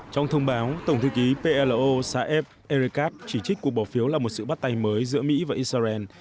trong thông báo tổng thư ký plo saev erekav chỉ trích cuộc bỏ phiếu là một sự bắt tay mới giữa mỹ và israel